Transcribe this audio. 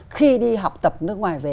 khi đi học tập nước ngoài về